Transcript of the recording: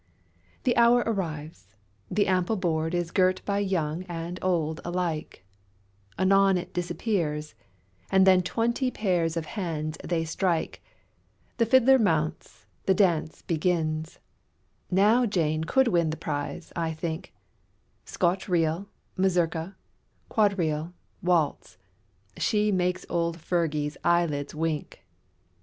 The hour arrives, the ample board Is girt by young and old alike, Anon it disappears, and then Twenty pairs of hands they strike, The fiddler mounts, the dance begins, Now Jane could win the prize, I think, Scotch reel, mazurka, quadrille, waltz, She make's old Fergie's eyelids wink.